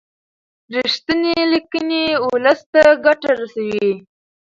رښتینې لیکنې ولس ته ګټه رسوي.